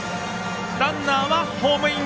ランナーはホームイン。